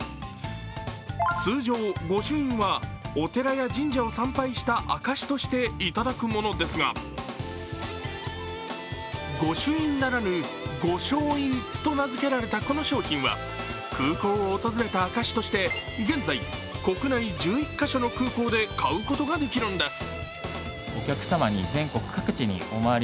通常、御朱印はお寺や神社を参拝した証しとして頂くものですが御朱印ならぬ御翔印と名付けられたこの商品は空港を訪れた証しとして、現在国内１１か所の空港で買うことができるんです。